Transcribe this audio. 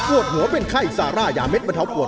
วดหัวเป็นไข้ซาร่ายาเด็ดบรรเทาปวด